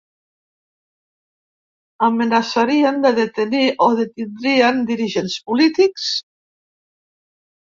Amenaçarien de detenir o detindrien dirigents polítics?